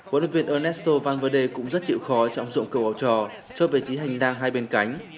quân lực viên ernesto van verde cũng rất chịu khó trong dụng cầu bảo trò cho vị trí hành đang hai bên cánh